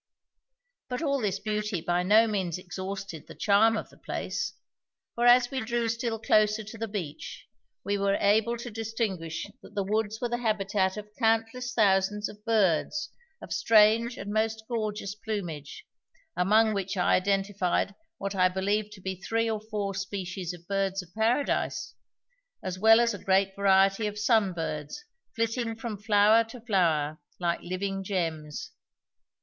But all this beauty by no means exhausted the charm of the place, for as we drew still closer to the beach we were able to distinguish that the woods were the habitat of countless thousands of birds of strange and most gorgeous plumage, among which I identified what I believed to be three or four species of birds of paradise, as well as a great variety of sun birds flitting from flower to flower like living gems.